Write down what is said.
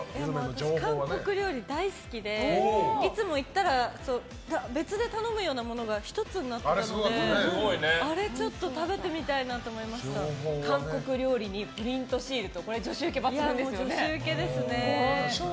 私、韓国料理大好きでいつも行ったら別で頼むようなものが１つになってたのであれ、ちょっと食べてみたいなと韓国料理にプリントシールとこれは女子ウケ抜群ですよね。